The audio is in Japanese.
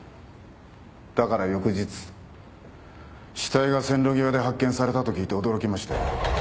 だから翌日死体が線路際で発見されたと聞いて驚きましたよ。